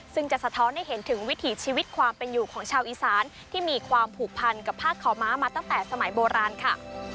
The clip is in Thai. ซึ่งจะสะท้อนให้เห็นถึงวิถีชีวิตความเป็นอยู่ของชาวอีสานที่มีความผูกพันกับภาคเขาม้ามาตั้งแต่สมัยโบราณค่ะ